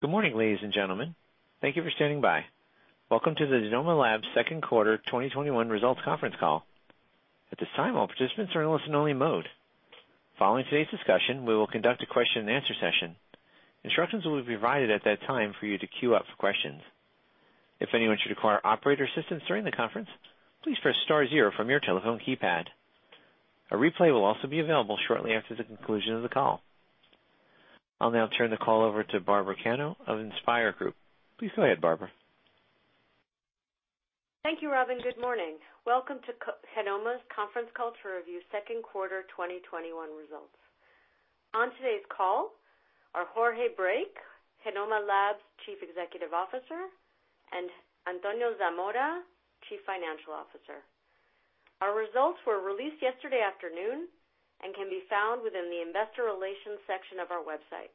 Good morning, ladies and gentlemen. Thank you for standing by. Welcome to the Genomma Lab Q2 2021 Results Conference Call. At this time, all participants are in listen-only mode. Following today's discussion, we will conduct a question and answer session. Instructions will be provided at that time for you to queue up for questions. If anyone should require operator assistance during the conference, please press star zero from your telephone keypad. A replay will also be available shortly after the conclusion of the call. I'll now turn the call over to Barbara Cano of InspIR Group. Please go ahead, Barbara. Thank you, Robin. Good morning. Welcome to Genomma Lab's conference call to review Q2 2021 results. On today's call are Jorge Brake, Genomma Lab's Chief Executive Officer, and Antonio Zamora, Chief Financial Officer. Our results were released yesterday afternoon and can be found within the investor relations section of our website,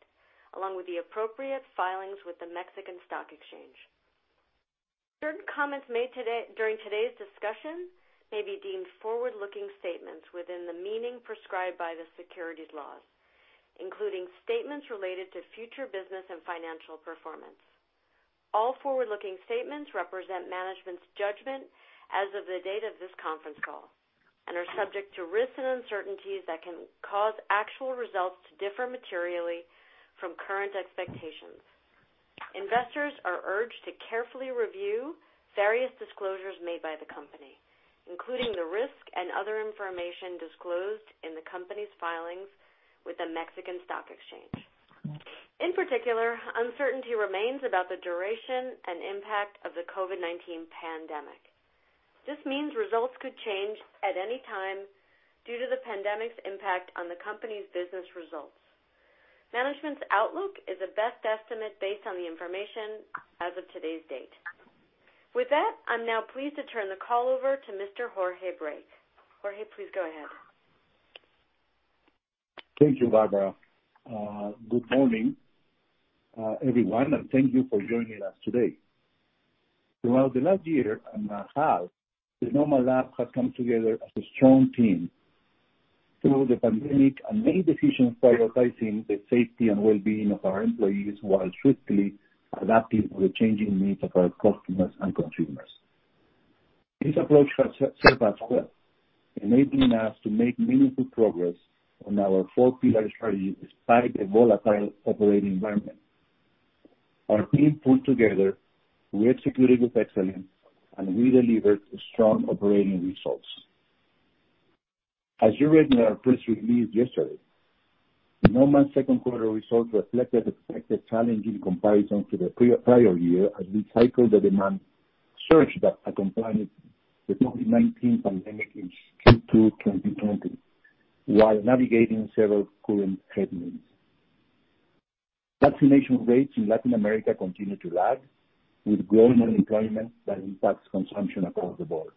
along with the appropriate filings with the Mexican Stock Exchange. Certain comments made during today's discussion may be deemed forward-looking statements within the meaning prescribed by the securities laws, including statements related to future business and financial performance. All forward-looking statements represent management's judgment as of the date of this conference call and are subject to risks and uncertainties that can cause actual results to differ materially from current expectations. Investors are urged to carefully review various disclosures made by the company, including the risk and other information disclosed in the company's filings with the Mexican Stock Exchange. In particular, uncertainty remains about the duration and impact of the COVID-19 pandemic. This means results could change at any time due to the pandemic's impact on the company's business results. Management's outlook is a best estimate based on the information as of today's date. With that, I'm now pleased to turn the call over to Mr. Jorge Brake. Jorge, please go ahead. Thank you, Barbara. Good morning, everyone, and thank you for joining us today. Throughout the last year and a half, Genomma Lab has come together as a strong team through the pandemic and made decisions prioritizing the safety and wellbeing of our employees while swiftly adapting to the changing needs of our customers and consumers. This approach has served us well, enabling us to make meaningful progress on our four-pillar strategy despite the volatile operating environment. Our team pulled together, we executed with excellence, and we delivered strong operating results. As you read in our press release yesterday, Genomma's Q2 results reflected expected challenge in comparison to the prior year as we cycled the demand surge that accompanied the COVID-19 pandemic in Q2 2020, while navigating several current headwinds. Vaccination rates in Latin America continue to lag with growing unemployment that impacts consumption across the board.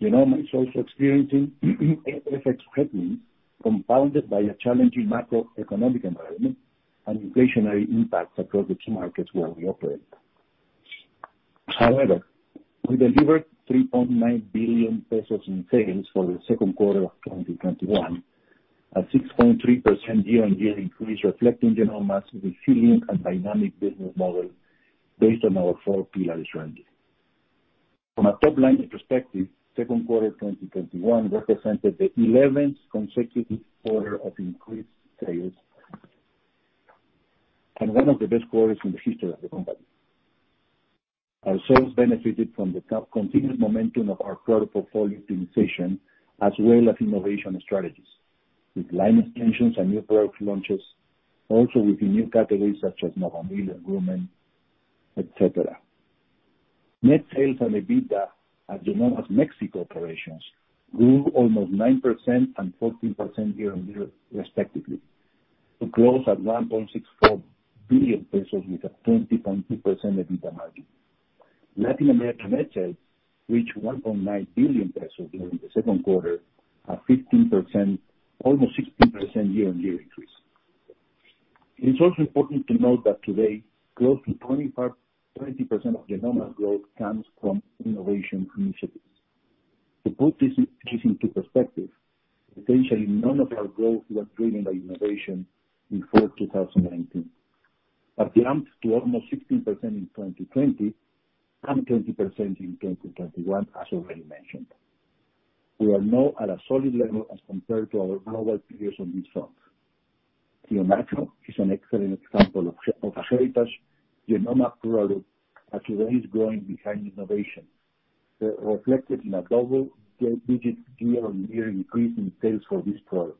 Genomma is also experiencing FX headwinds compounded by a challenging macroeconomic environment and inflationary impacts across the key markets where we operate. However, we delivered 3.9 billion pesos in sales for Q2 2021, a 6.3% year-on-year increase reflecting Genomma's resilient and dynamic business model based on our four-pillar strategy. From a top-line perspective, Q2 2021 represented the 11th consecutive quarter of increased sales and one of the best quarters in the history of the company. Our sales benefited from the continued momentum of our product portfolio optimization as well as innovation strategies, with line extensions and new product launches also within new categories such as Novamil and Groomen, et cetera. Net sales and EBITDA at Genomma's Mexico operations grew almost 9% and 14% year-on-year, respectively, to close at 1.64 billion pesos with a 20.2% EBITDA margin. Latin America net sales reached 1.9 billion pesos during the Q2, almost 16% year-over-year increase. It's also important to note that today, close to 20% of Genomma Lab's growth comes from innovation initiatives. To put this into perspective, essentially none of our growth was driven by innovation before 2019. It jumped to almost 16% in 2020 and 20% in 2021, as already mentioned. We are now at a solid level as compared to our global peers on this front. The macro is an excellent example of a heritage Genomma Lab product that today is growing behind innovation, reflected in a double-digit year-over-year increase in sales for this product.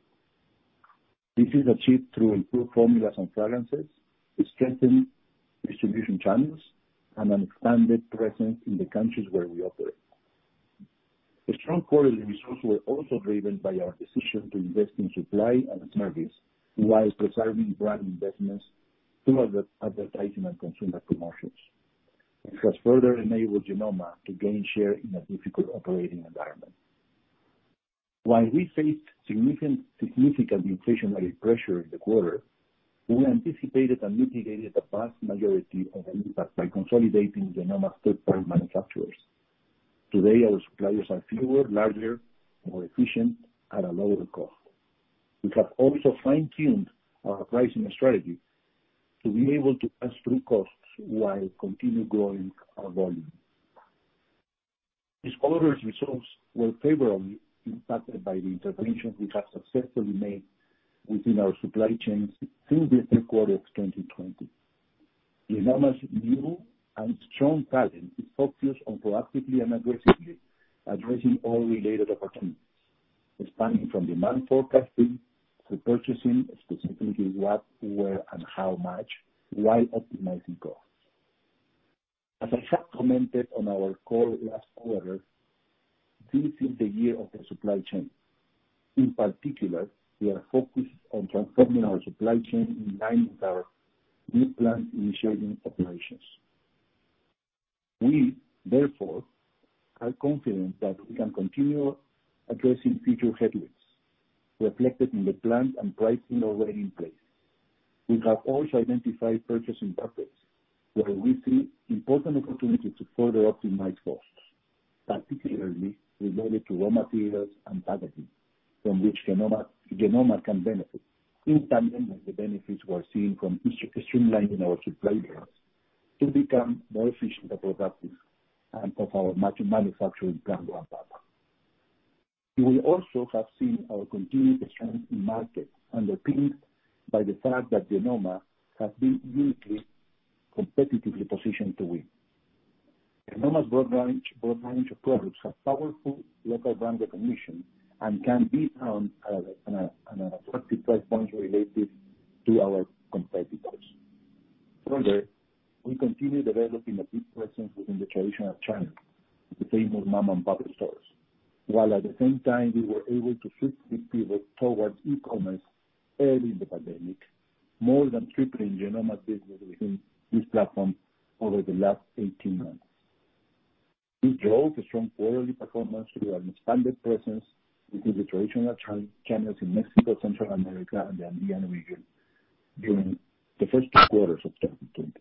This is achieved through improved formulas and fragrances, strengthened distribution channels, and an expanded presence in the countries where we operate. The strong quarterly results were also driven by our decision to invest in supply and service while preserving brand investments through advertising and consumer promotions, which has further enabled Genomma to gain share in a difficult operating environment. While we faced significant inflationary pressure in the quarter, we anticipated and mitigated the vast majority of an impact by consolidating Genomma's third-party manufacturers. Today our suppliers are fewer, larger, more efficient, at a lower cost. We have also fine-tuned our pricing strategy to be able to pass through costs while continue growing our volume. This quarter's results were favorably impacted by the interventions we have successfully made within our supply chains through the third quarter of 2020. Genomma's new and strong talent is focused on proactively and aggressively addressing all related opportunities, expanding from demand forecasting to purchasing, specifically what, where, and how much, while optimizing costs. As I have commented on our call last quarter, this is the year of the supply chain. In particular, we are focused on transforming our supply chain in line with our new plant initiating operations. We, therefore, are confident that we can continue addressing future headwinds reflected in the plans and pricing already in place. We have also identified purchasing targets where we see important opportunities to further optimize costs, particularly related to raw materials and packaging, from which Genomma can benefit. In tandem with the benefits we are seeing from streamlining our supply chains to become more efficient and productive and of our manufacturing plant ramp-up, we also have seen our continued strength in market, underpinned by the fact that Genomma has been uniquely, competitively positioned to win. Genomma's broad range of products have powerful local brand recognition and can be found at an attractive price point relative to our competitors. Further, we continue developing a big presence within the traditional channels, the famous mom-and-pop stores, while at the same time, we were able to swiftly pivot towards e-commerce early in the pandemic, more than tripling Genomma's business within this platform over the last 18 months. We drove a strong quarterly performance through our expanded presence within the traditional channels in Mexico, Central America, and the Andean region during the first two quarters of 2020,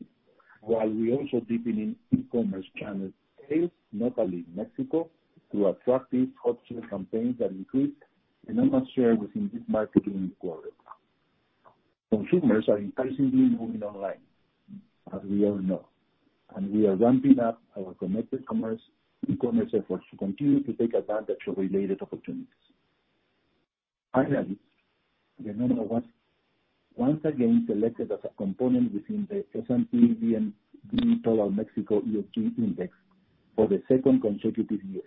while we also deepened e-commerce channel sales, notably in Mexico, through attractive Hot Sale campaigns that increased Genomma's share within this market during the quarter. Consumers are increasingly moving online, as we all know, and we are ramping up our connected commerce, e-commerce efforts to continue to take advantage of related opportunities. Genomma was once again selected as a component within the S&P/BMV Total Mexico ESG Index for the second consecutive year,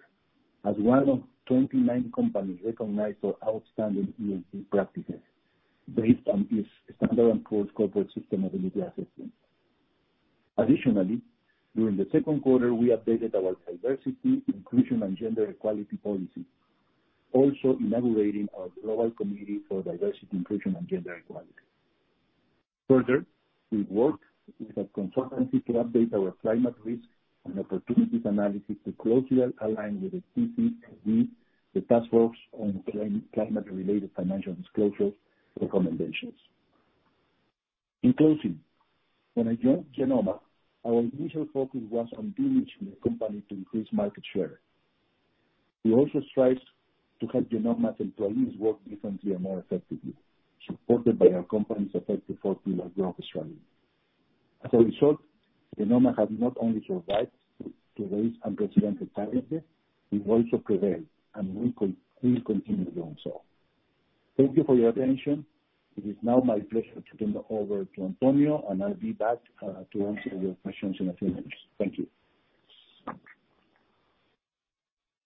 as one of 29 companies recognized for outstanding ESG practices based on its Standard & Poor's Corporate Sustainability Assessment. During the Q2, we updated our diversity, inclusion, and gender equality policy, also inaugurating our global committee for diversity, inclusion, and gender equality. We worked with a consultancy to update our climate risk and opportunities analysis to closely align with the TCFD, the Task Force on Climate-related Financial Disclosures recommendations. In closing, when I joined Genomma, our initial focus was on de-risking the company to increase market share. We also strived to help Genomma's employees work differently and more effectively, supported by our company's effective four-pillar growth strategy. As a result, Genomma has not only survived today's unprecedented challenges, we've also prevailed, and we'll continue doing so. Thank you for your attention. It is now my pleasure to turn it over to Antonio, and I'll be back to answer your questions in a few minutes. Thank you.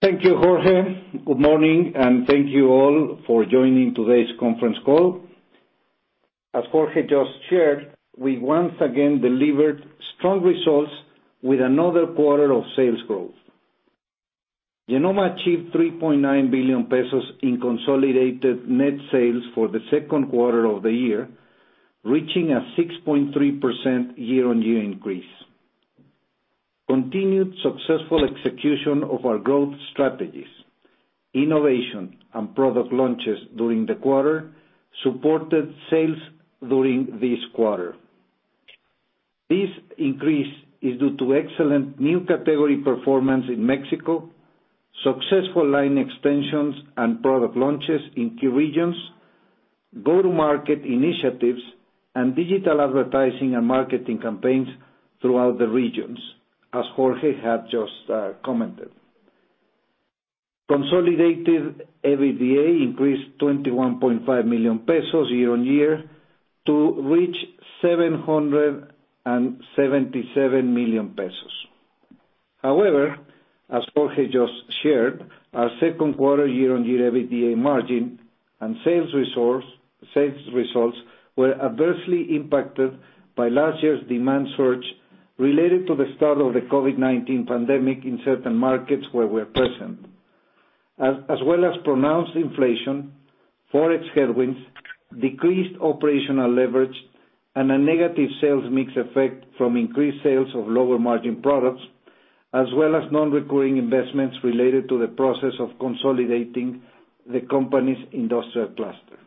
Thank you, Jorge. Good morning, and thank you all for joining today's conference call. As Jorge just shared, we once again delivered strong results with another quarter of sales growth. Genomma achieved 3.9 billion pesos in consolidated net sales for the Q2 of the year, reaching a 6.3% year-on-year increase. Continued successful execution of our growth strategies, innovation, and product launches during the quarter, supported sales during this quarter. This increase is due to excellent new category performance in Mexico, successful line extensions and product launches in key regions, go-to-market initiatives, and digital advertising and marketing campaigns throughout the regions, as Jorge had just commented. Consolidated EBITDA increased 21.5 million pesos year-on-year to reach 777 million pesos. However, as Jorge just shared, our Q2 year-on-year EBITDA margin and sales results were adversely impacted by last year's demand surge related to the start of the COVID-19 pandemic in certain markets where we're present, as well as pronounced inflation, ForEx headwinds, decreased operational leverage, and a negative sales mix effect from increased sales of lower-margin products, as well as non-recurring investments related to the process of consolidating the company's industrial cluster.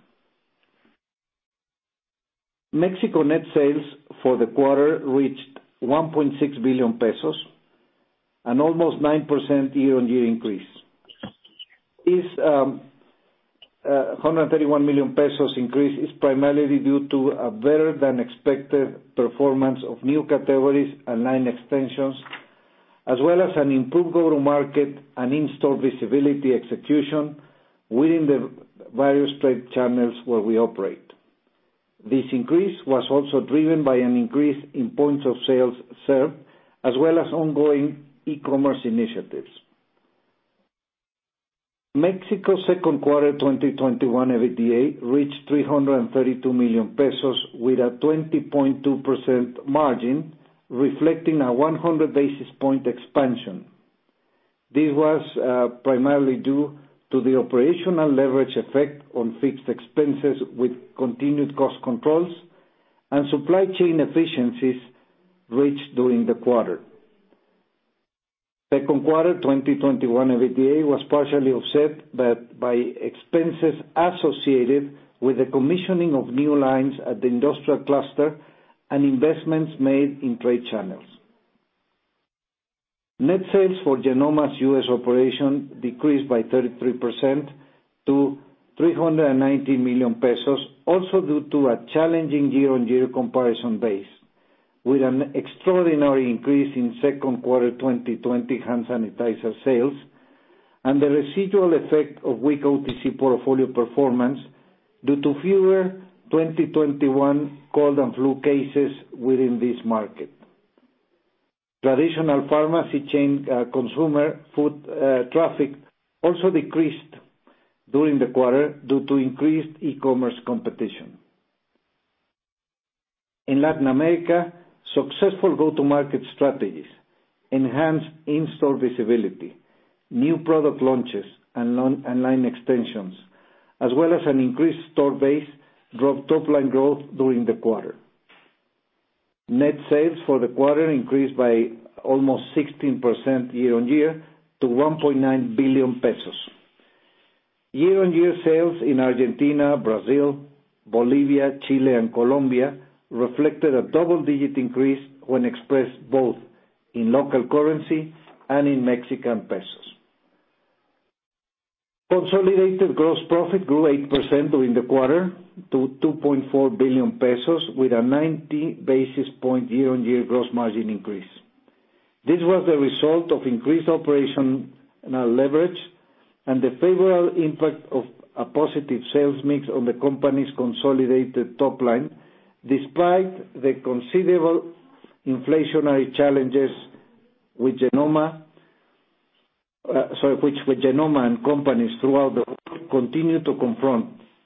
Mexico net sales for the quarter reached 1.6 billion pesos, an almost 9% year-on-year increase. This 131 million pesos increase is primarily due to a better than expected performance of new categories and line extensions, as well as an improved go-to-market and in-store visibility execution within the various trade channels where we operate. This increase was also driven by an increase in points of sales served, as well as ongoing e-commerce initiatives. Mexico Q2 2021 EBITDA reached 332 million pesos with a 20.2% margin, reflecting a 100 basis point expansion. This was primarily due to the operational leverage effect on fixed expenses with continued cost controls and supply chain efficiencies reached during the quarter. Q2 2021 EBITDA was partially offset by expenses associated with the commissioning of new lines at the industrial cluster and investments made in trade channels. Net sales for Genomma's U.S. operation decreased by 33% to 390 million pesos, also due to a challenging year-on-year comparison base, with an extraordinary increase in Q2 2020 hand sanitizer sales and the residual effect of weak OTC portfolio performance due to fewer 2021 cold and flu cases within this market. Traditional pharmacy chain consumer foot traffic also decreased during the quarter due to increased e-commerce competition. In Latin America, successful go-to-market strategies enhanced in-store visibility, new product launches and line extensions, as well as an increased store base, drove top-line growth during the quarter. Net sales for the quarter increased by almost 16% year-on-year to MXN 1.9 billion. Year-on-year sales in Argentina, Brazil, Bolivia, Chile, and Colombia reflected a double-digit increase when expressed both in local currency and in Mexican pesos. Consolidated gross profit grew 8% during the quarter to 2.4 billion pesos, with a 90 basis point year-on-year gross margin increase. This was the result of increased operational leverage and the favorable impact of a positive sales mix on the company's consolidated top line, despite the considerable inflationary challenges which Genomma and companies throughout the world continue to confront,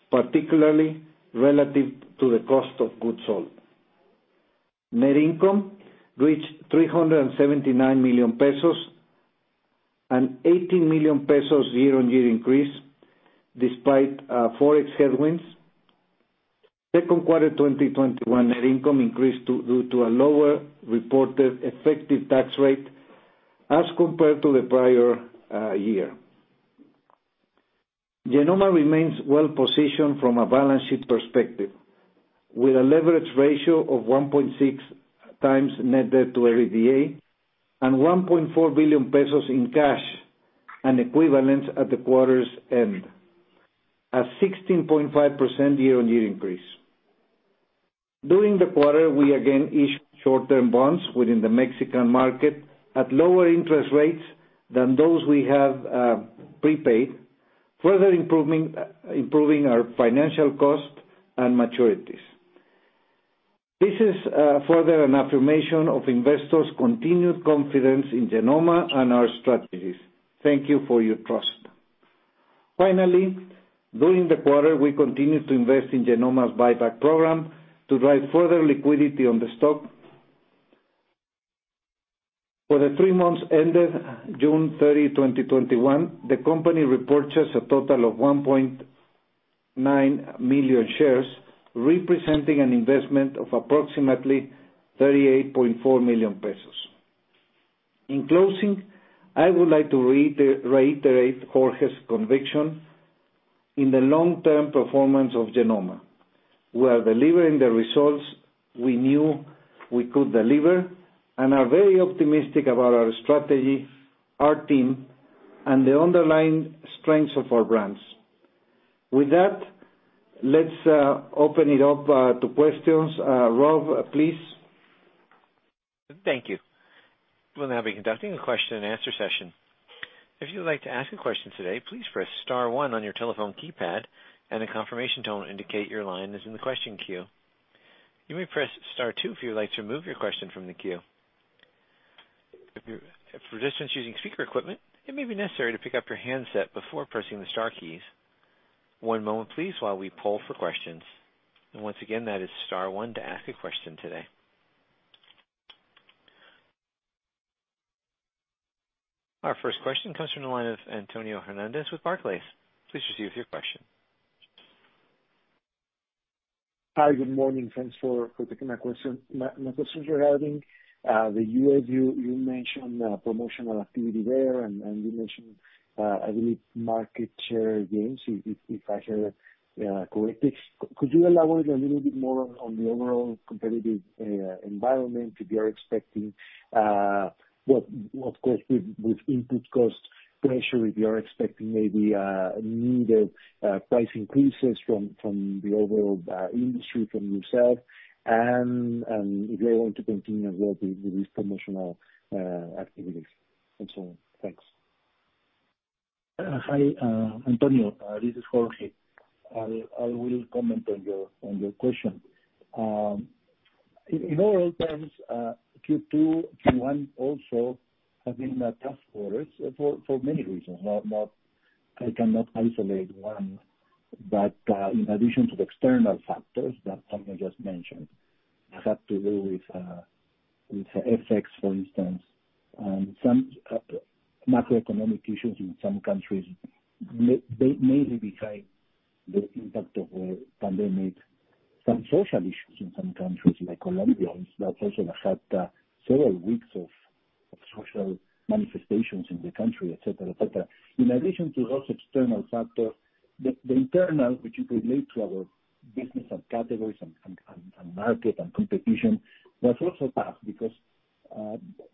particularly relative to the cost of goods sold. Net income reached 379 million pesos, an 18 million pesos year-on-year increase, despite ForEx headwinds. Q2 2021 net income increased due to a lower reported effective tax rate as compared to the prior year. Genomma remains well-positioned from a balance sheet perspective, with a leverage ratio of 1.6x net debt to EBITDA and 1.4 billion pesos in cash and equivalents at the quarter's end, a 16.5% year-on-year increase. During the quarter, we again issued short-term bonds within the Mexican market at lower interest rates than those we have prepaid, further improving our financial cost and maturities. This is further an affirmation of investors' continued confidence in Genomma and our strategies. Thank you for your trust. Finally, during the quarter, we continued to invest in Genomma's buyback program to drive further liquidity on the stock. For the three months ended June 30, 2021, the company repurchased a total of 1.9 million shares, representing an investment of approximately 38.4 million pesos. In closing, I would like to reiterate Jorge's conviction in the long-term performance of Genomma. We are delivering the results we knew we could deliver and are very optimistic about our strategy, our team, and the underlying strengths of our brands. With that, let's open it up to questions. Rob, please. Thank you. We'll now be conducting a question and answer session. If you would like to ask a question today, please press star one on your telephone keypad, and a confirmation tone will indicate your line is in the question queue. You may press star two if you would like to remove your question from the queue. If you're a participant using speaker equipment, it may be necessary to pick up your handset before pressing the star keys. One moment, please, while we poll for questions. Once again, that is star one to ask a question today. Our first question comes from the line of Antonio Hernandez with Barclays. Please proceed with your question Hi. Good morning. Thanks for taking my questions regarding the U.S. You mentioned promotional activity there and you mentioned, I believe, market share gains, if I hear correctly. Could you elaborate a little bit more on the overall competitive environment, if you are expecting, of course, with input cost pressure, if you are expecting maybe a need of price increases from the overall industry, from yourself, and if you are going to continue as well with these promotional activities. Thanks. Hi, Antonio. This is Jorge. I will comment on your question. In overall terms, Q2, Q1 also have been tough quarters for many reasons. I cannot isolate one. In addition to the external factors that Antonio just mentioned, that have to do with FX, for instance, and some macroeconomic issues in some countries, mainly behind the impact of the pandemic, some social issues in some countries like Colombia, that also had several weeks of social manifestations in the country, et cetera. In addition to those external factors, the internal, which is related to our business and categories and market and competition, was also tough because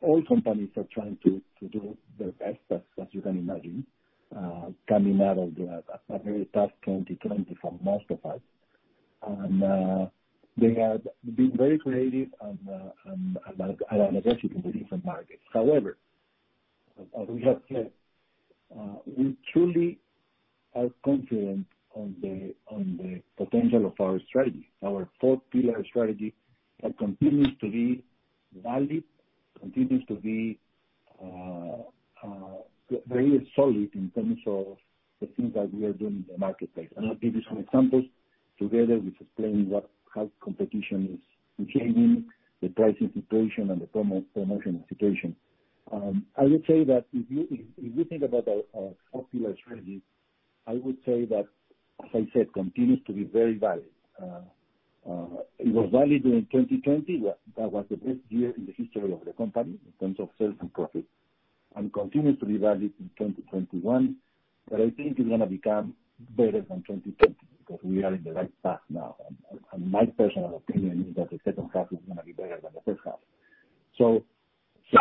all companies are trying to do their best, as you can imagine, coming out of a very tough 2020 for most of us. They have been very creative and aggressive in the different markets. However, as we have said, we truly are confident on the potential of our strategy, our four pillar strategy that continues to be valid, continues to be very solid in terms of the things that we are doing in the marketplace. I'll give you some examples together with explaining how competition is behaving, the pricing situation, and the promotion situation. I would say that if you think about our four pillar strategy, I would say that, as I said, continues to be very valid. It was valid during 2020. That was the best year in the history of the company in terms of sales and profit, and continues to be valid in 2021. I think it's going to become better than 2020 because we are in the right path now. My personal opinion is that the second half is going to be better than the first half.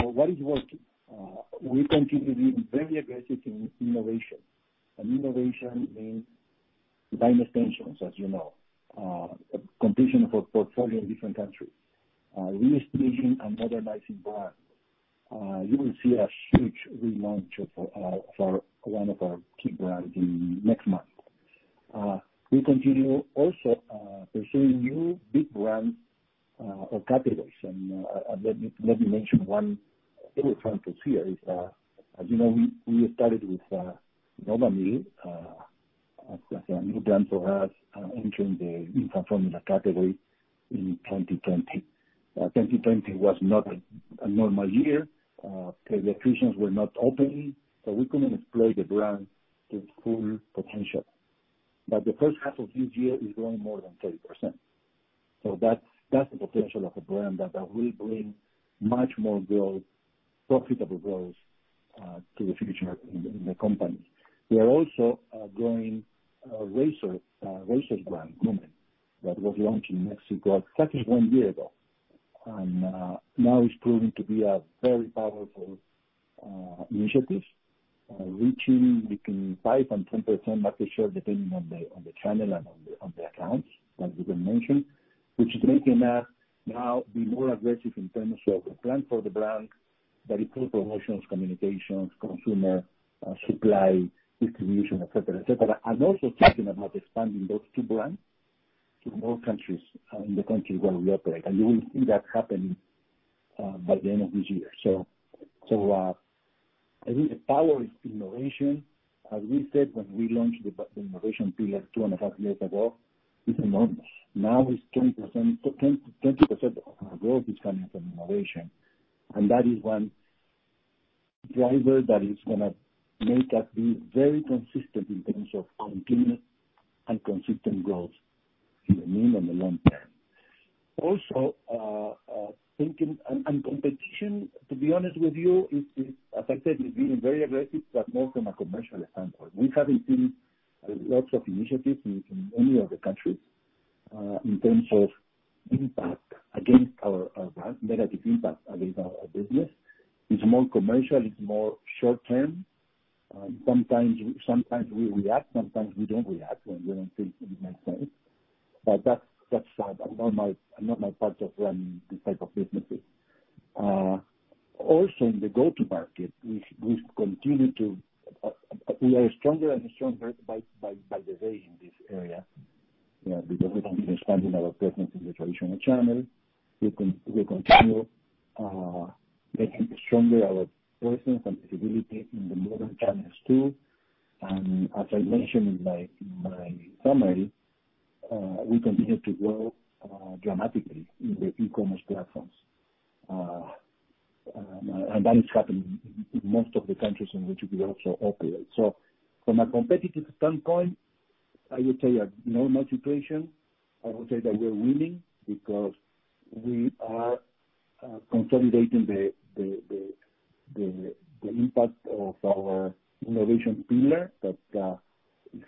What is working? We continue to be very aggressive in innovation, and innovation means line extensions, as you know, completion of our portfolio in different countries, restoration and modernizing brands. You will see a huge relaunch of one of our key brands in next month. We continue also pursuing new big brands or categories. Let me mention one or two examples here is, as you know, we started with Novamil, a new brand for us entering the infant formula category in 2020. 2020 was not a normal year. Pediatricians were not opening, we couldn't display the brand to its full potential. The first half of this year is growing more than 30%. That's the potential of a brand that will bring much more growth, profitable growth, to the future in the company. We are also growing a razor brand, Groomen, that was launched in Mexico exactly one year ago. Now it's proving to be a very powerful initiative, reaching between 5% and 10% market share, depending on the channel and on the accounts, as you can mention, which is making us now be more aggressive in terms of the plan for the brand that includes promotions, communications, consumer, supply, distribution, et cetera. Also thinking about expanding those two brands to more countries in the countries where we operate. You will see that happen by the end of this year. I think the power is innovation. As we said when we launched the innovation pillar two and a half years ago, it's enormous. Now it's 20% of our growth is coming from innovation, and that is one driver that is going to make us be very consistent in terms of continuous and consistent growth in the medium and the long term. Also, thinking and competition, to be honest with you, as I said, is being very aggressive, but more from a commercial standpoint. We haven't seen lots of initiatives in any other countries in terms of impact against our brand, negative impact against our business. It's more commercial, it's more short-term. Sometimes we react, sometimes we don't react when we don't think it makes sense. That's normal. I'm not my part of running this type of businesses. Also, in the go-to-market, we are stronger and stronger by the day in this area because we continue expanding our presence in the traditional channel. We continue making stronger our presence and visibility in the modern channels, too. As I mentioned in my summary, we continue to grow dramatically in the e-commerce platforms. And that is happening in most of the countries in which we also operate. From a competitive standpoint, I would say a normal situation. I would say that we are winning because we are consolidating the impact of our innovation pillar that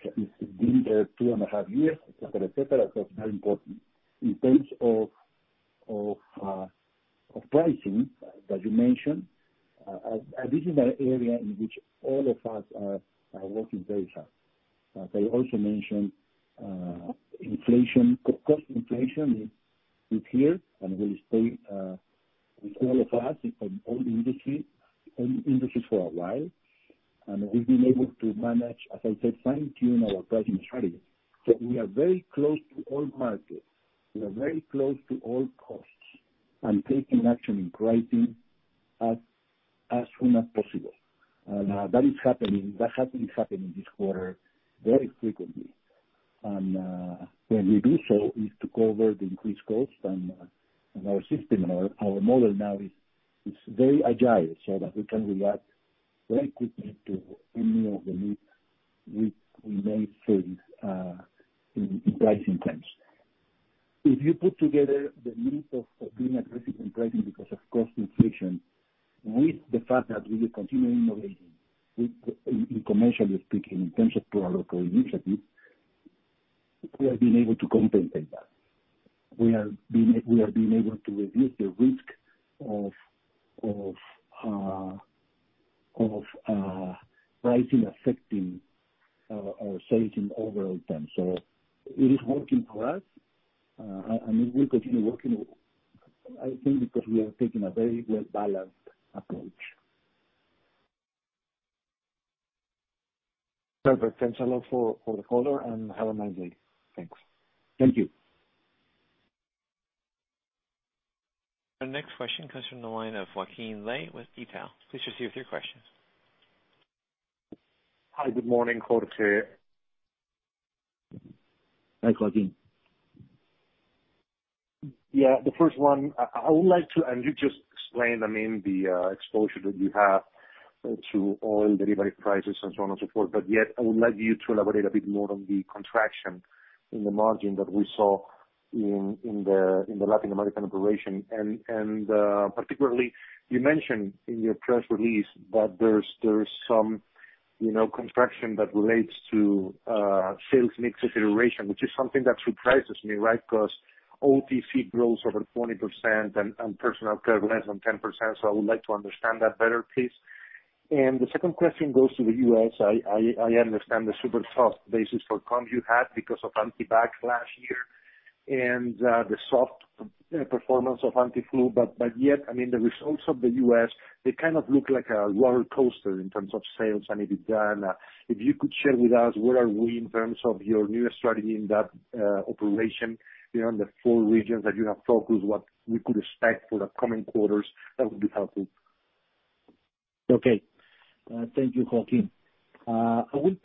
has been there two and a half years, et cetera. It's very important. In terms of pricing, as you mentioned, this is an area in which all of us are working very hard. I also mentioned inflation, cost inflation is here and will stay with all of us in all industries for a while, and we've been able to manage, as I said, fine-tune our pricing strategy. We are very close to all markets. We are very close to all costs and taking action in pricing as soon as possible. That is happening. That has been happening this quarter very frequently. When we do so, it's to cover the increased costs and our system, our model now is very agile so that we can react very quickly to any of the needs we may face in pricing terms. If you put together the need of being aggressive in pricing because of cost inflation, with the fact that we will continue innovating in commercial speaking in terms of product or initiatives, we have been able to compensate that. We have been able to reduce the risk of pricing affecting our sales in overall terms. It is working for us. It will continue working, I think because we are taking a very well-balanced approach. Perfect. Thanks a lot for the call, and have a nice day. Thanks. Thank you. Our next question comes from the line of Joaquin Ley with Itaú. Please proceed with your questions. Hi. Good morning, Jorge. Hi, Joaquin. Yeah. The first one, you just explained, the exposure that you have to oil derivative prices and so on and so forth. I would like you to elaborate a bit more on the contraction in the margin that we saw in the Latin American operation. Particularly, you mentioned in your press release that there's some contraction that relates to sales mix acceleration, which is something that surprises me, right? OTC grows over 20% and personal care less than 10%. I would like to understand that better, please. The second question goes to the U.S. I understand the super soft basis for comp you had because of Antibac last year and the soft performance of anti-flu. The results of the U.S., they kind of look like a roller coaster in terms of sales and EBITDA. If you could share with us where are we in terms of your new strategy in that operation, the four regions that you have focused, what we could expect for the coming quarters, that would be helpful. Okay. Thank you, Joaquin. I will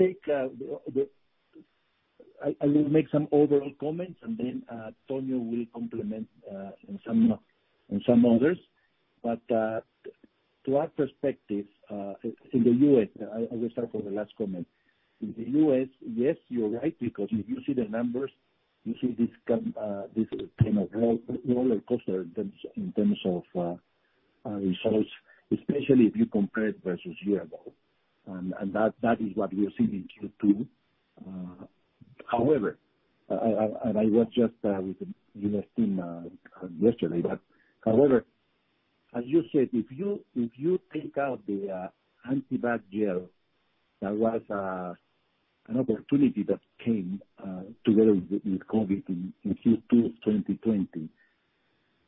make some overall comments and then Tonio will complement in some others. To add perspective, in the U.S., I will start from the last comment. In the U.S., yes, you're right, because if you see the numbers, you see this kind of roller coaster in terms of results, especially if you compare it versus year-ago. That is what we are seeing in Q2. I was just with the U.S. team yesterday, however, as you said, if you take out the Antibac gel, that was an opportunity that came together with COVID in Q2 2020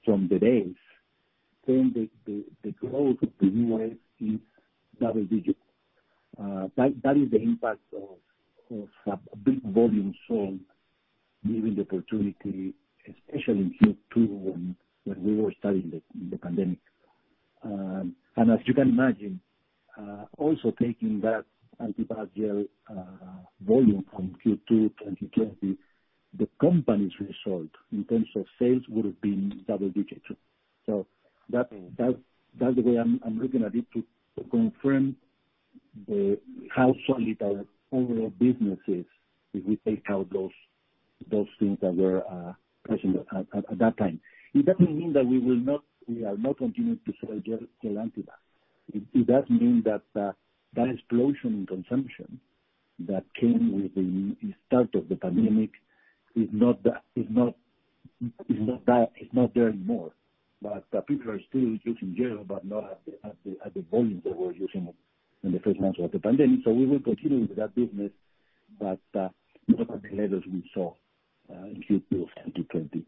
from the base, then the growth of the U.S. is double digits. That is the impact of a big volume sold giving the opportunity, especially in Q2 when we were starting the pandemic. As you can imagine, also taking that Antibac gel volume from Q2 2020, the company's result in terms of sales would have been double digits. That's the way I'm looking at it to confirm how solid our overall business is if we take out those things that were present at that time. It doesn't mean that we are not continuing to sell Antibac. It does mean that that explosion in consumption that came with the start of the pandemic is not there anymore. People are still using gel, but not at the volumes they were using in the first months of the pandemic. We will continue with that business, but not at the levels we saw in Q2 2020.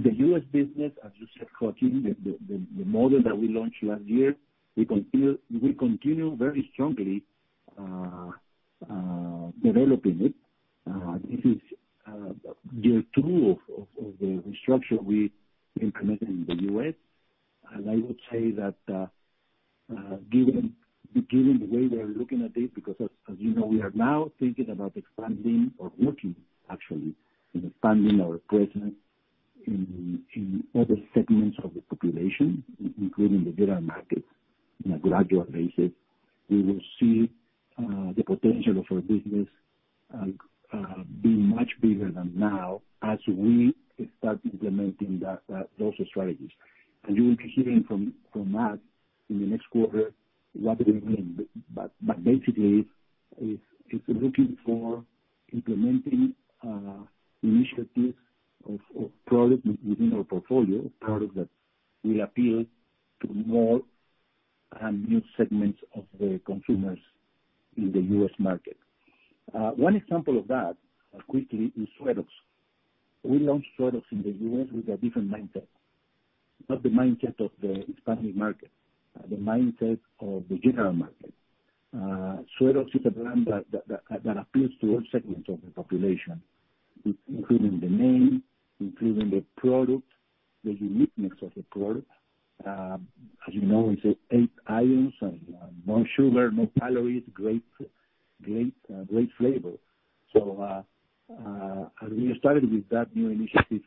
The U.S. business, as you said, Joaquin, the model that we launched last year, we continue very strongly developing it. This is year two of the restructure we implemented in the U.S. Given the way we are looking at it, because as you know, we are now thinking about expanding or working actually, expanding our presence in other segments of the population, including the general market, in a gradual basis. We will see the potential of our business being much bigger than now as we start implementing those strategies. You will be hearing from us in the next quarter what we mean. Basically, it's looking for implementing initiatives of product within our portfolio, product that will appeal to more and new segments of the consumers in the U.S. market. One example of that, quickly, is Suerox. We launched Suerox in the U.S. with a different mindset, not the mindset of the Hispanic market, the mindset of the general market. Suerox is a brand that appeals to all segments of the population, including the name, including the product, the uniqueness of the product. As you know, it's eight ions and no sugar, no calories, great flavor. As we started with that new initiative,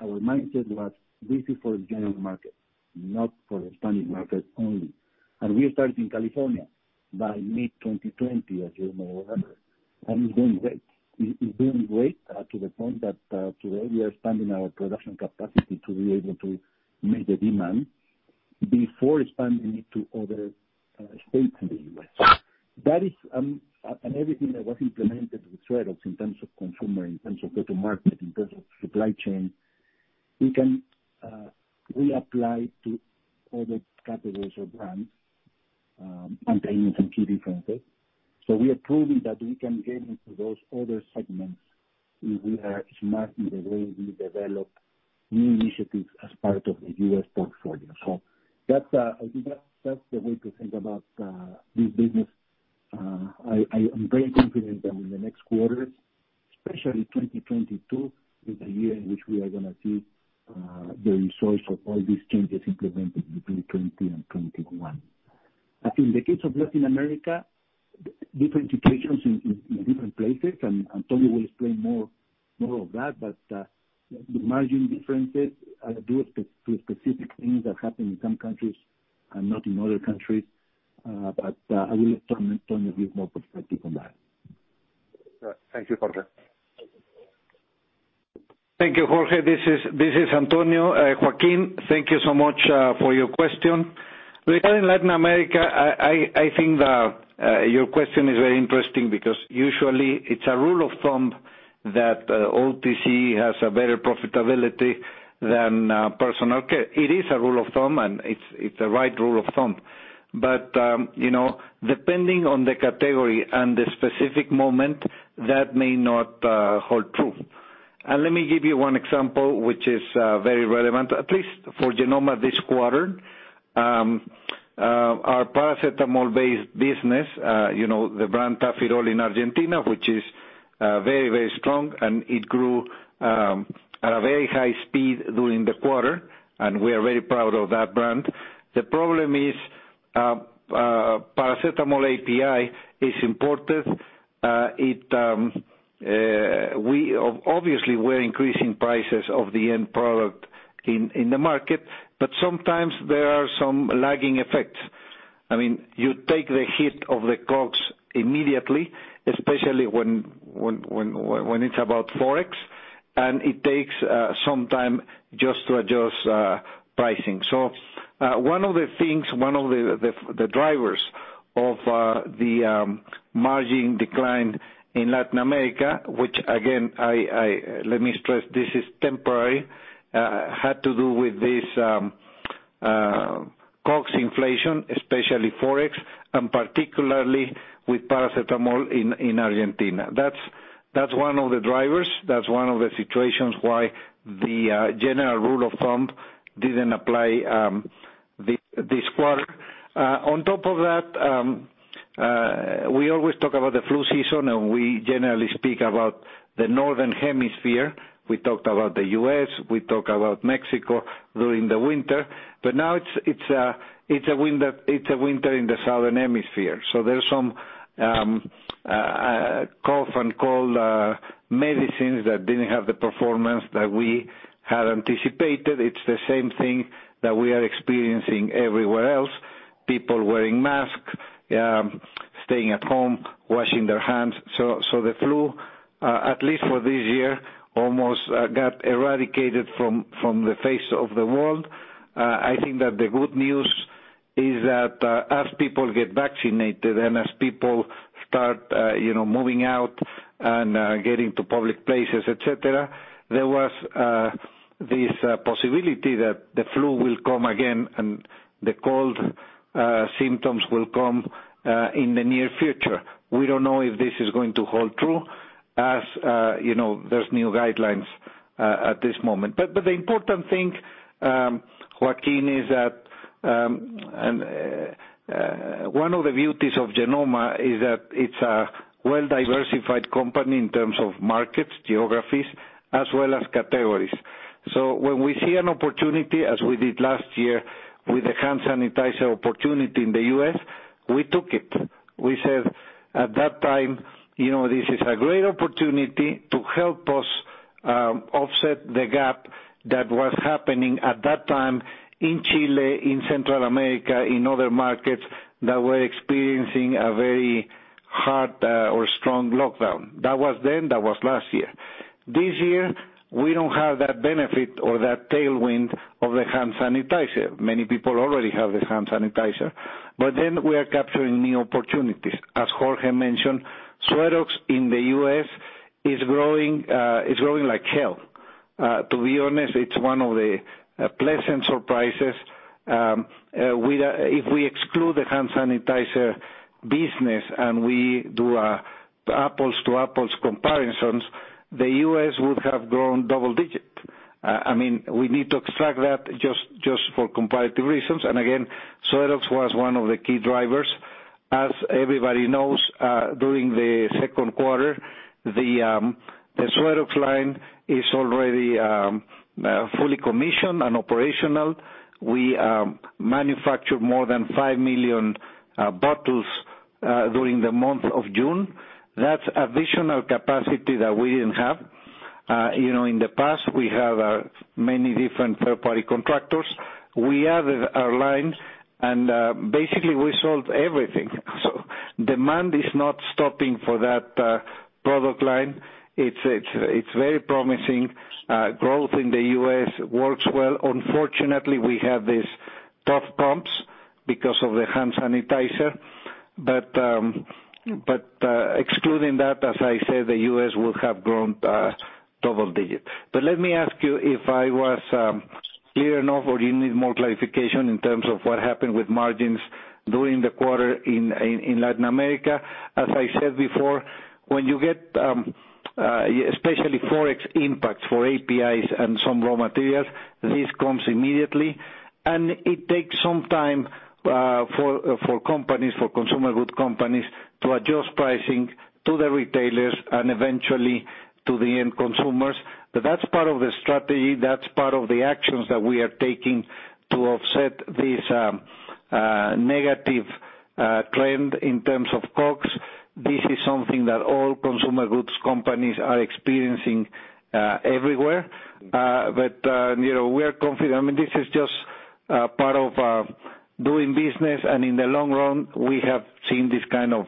our mindset was this is for the general market, not for Hispanic market only. We started in California by mid-2020, as you may remember, and it's doing great. It's doing great to the point that today we are expanding our production capacity to be able to meet the demand before expanding it to other states in the U.S. Everything that was implemented with Suerox in terms of consumer, in terms of go to market, in terms of supply chain, we can reapply to other categories or brands, maintaining some key differences. We are proving that we can get into those other segments if we are smart in the way we develop new initiatives as part of the U.S. portfolio. I think that's the way to think about this business. I am very confident that in the next quarters, especially 2022, is the year in which we are going to see the results of all these changes implemented between 2020 and 2021. I think in the case of Latin America, different situations in different places, and Antonio will explain more of that. The margin differences are due to specific things that happen in some countries and not in other countries. I will let Antonio give more perspective on that. Thank you, Jorge. Thank you, Jorge. This is Antonio. Joaquin, thank you so much for your question. Regarding Latin America, I think your question is very interesting because usually it's a rule of thumb that OTC has a better profitability than personal care. It is a rule of thumb, and it's a right rule of thumb. Depending on the category and the specific moment, that may not hold true. Let me give you one example, which is very relevant, at least for Genomma this quarter. Our paracetamol-based business, the brand Tafirol in Argentina, which is very, very strong, and it grew at a very high speed during the quarter, and we are very proud of that brand. The problem is paracetamol API is imported. Obviously, we're increasing prices of the end product in the market, sometimes there are some lagging effects. You take the hit of the COGS immediately, especially when it's about ForEx, it takes some time just to adjust pricing. One of the things, one of the drivers of the margin decline in Latin America, which again, let me stress, this is temporary, had to do with this COGS inflation, especially ForEx, and particularly with paracetamol in Argentina. That's one of the drivers. That's one of the situations why the general rule of thumb didn't apply this quarter. On top of that, we always talk about the flu season, and we generally speak about the northern hemisphere. We talked about the U.S., we talk about Mexico during the winter, now it's a winter in the southern hemisphere. There's some cough and cold medicines that didn't have the performance that we had anticipated. It's the same thing that we are experiencing everywhere else. People wearing masks, staying at home, washing their hands. The flu, at least for this year, almost got eradicated from the face of the world. I think that the good news is that as people get vaccinated and as people start moving out and getting to public places, et cetera, there was this possibility that the flu will come again and the cold symptoms will come in the near future. We don't know if this is going to hold true as there's new guidelines at this moment. The important thing, Joaquin, is that one of the beauties of Genomma is that it's a well-diversified company in terms of markets, geographies, as well as categories. When we see an opportunity, as we did last year with the hand sanitizer opportunity in the U.S., we took it. We said at that time, this is a great opportunity to help us offset the gap that was happening at that time in Chile, in Central America, in other markets that were experiencing a very hard or strong lockdown. That was then. That was last year. This year, we don't have that benefit or that tailwind of the hand sanitizer. Many people already have the hand sanitizer. Then we are capturing new opportunities. As Jorge mentioned, Suerox in the U.S. is growing like hell. To be honest, it's one of the pleasant surprises. If we exclude the hand sanitizer business and we do apples-to-apples comparisons, the U.S. would have grown double-digit. We need to extract that just for comparative reasons. Again, Suerox was one of the key drivers. As everybody knows, during the Q2, the Suerox line is already fully commissioned and operational. We manufactured more than 5 million bottles during the month of June. That's additional capacity that we didn't have. In the past, we have many different third-party contractors. We added our lines, and basically we sold everything. Demand is not stopping for that product line. It's very promising. Growth in the U.S. works well. Unfortunately, we have these tough pumps because of the hand sanitizer. Excluding that, as I said, the U.S. would have grown double digit. Let me ask you if I was clear enough, or do you need more clarification in terms of what happened with margins during the quarter in Latin America? As I said before, when you get especially ForEx impacts for APIs and some raw materials, this comes immediately, and it takes some time for companies, for consumer goods companies, to adjust pricing to the retailers and eventually to the end consumers. That's part of the strategy, that's part of the actions that we are taking to offset this negative trend in terms of COGS. This is something that all consumer goods companies are experiencing everywhere. We are confident. This is just part of doing business, and in the long run, we have seen this kind of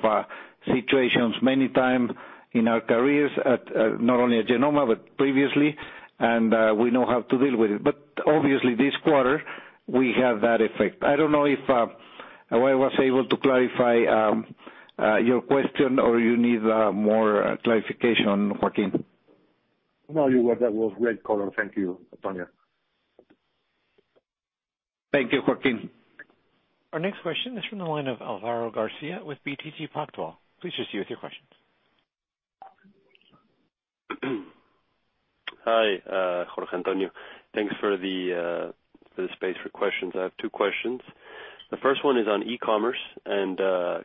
situations many times in our careers, not only at Genomma but previously, and we know how to deal with it. Obviously this quarter we have that effect. I don't know if I was able to clarify your question or you need more clarification, Joaquin? No, you were. That was great color. Thank you, Antonio. Thank you, Joaquin. Our next question is from the line of Alvaro Garcia with BTG Pactual. Please proceed with your questions. Hi, Jorge, Antonio. Thanks for the space for questions. I have two questions. The first one is on e-commerce and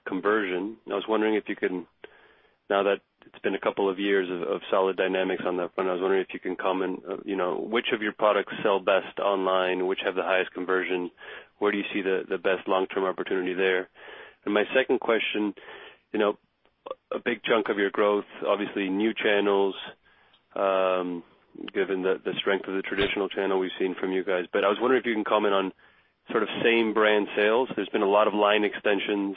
conversion. Now that it's been a couple of years of solid dynamics on the front, I was wondering if you can comment, which of your products sell best online, which have the highest conversion? Where do you see the best long-term opportunity there? My second question, a big chunk of your growth, obviously new channels, given the strength of the traditional channel we've seen from you guys. I was wondering if you can comment on sort of same-brand sales. There's been a lot of line extensions